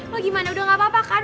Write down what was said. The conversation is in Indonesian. lo gimana udah gak apa apa kak